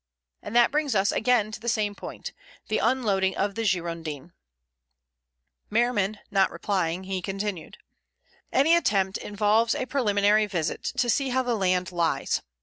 And that brings us again to the same point—the unloading of the Girondin." Merriman not replying, he continued: "Any attempt involves a preliminary visit to see how the land lies.